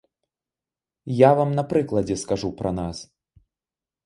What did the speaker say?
Я вам на прыкладзе скажу пра нас.